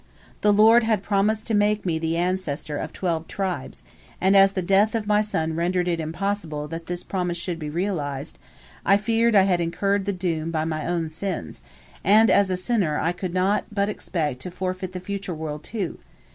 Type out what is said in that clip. The Lord had promised to make me the ancestor of twelve tribes, and as the death of my son rendered it impossible that this promise should be realized, I feared I had incurred the doom by my own sins, and as a sinner I could not but expect to forfeit the future world, too.